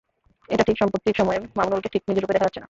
এটা ঠিক, সাম্প্রতিক সময়ের মামুনুলকে ঠিক নিজের রূপে দেখা যাচ্ছে না।